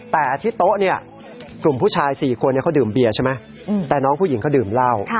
แต่ที่โต๊ะเนี่ยกลุ่มผู้ชาย๔คนเขาดื่มเบียร์ใช่ไหมแต่น้องผู้หญิงเขาดื่มเหล้า